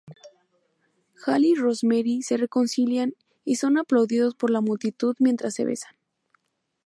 Hal y Rosemary se reconcilian y son aplaudidos por la multitud mientras se besan.